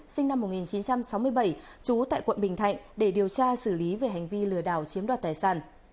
sinh năm một nghìn chín trăm sáu mươi bảy trú tại quận bình thạnh để điều tra xử lý về hành vi lừa đảo chiếm đoạt tài sản